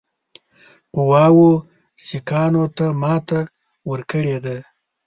قواوو سیکهانو ته ماته ورکړې ده.